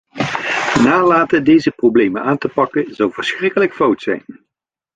Nalaten deze problemen aan te pakken zou verschrikkelijk fout zijn.